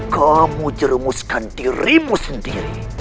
kamu jeremuskan dirimu sendiri